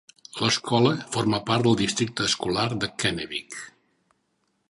L'escola forma part del districte escolar de Kennewick.